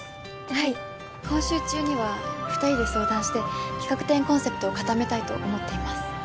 はい今週中には２人で相談して企画展コンセプトをかためたいと思っています